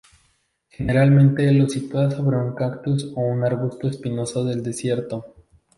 Generalmente lo sitúa sobre un cactus o un arbusto espinoso del desierto.